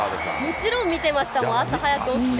もちろん見てました、朝早く起きて。